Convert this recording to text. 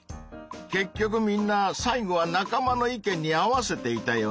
結局みんな最後は仲間の意見に合わせていたよね！